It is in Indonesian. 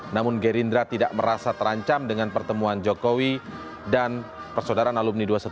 namun gerindra tidak merasa terancam dengan pertemuan jokowi dan persaudaraan alumni dua ratus dua belas